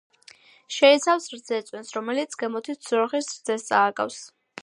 შეიცავს რძეწვენს, რომელიც გემოთი ძროხის რძეს წააგავს.